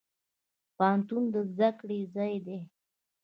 پوهنتون د زده کړي ځای دی.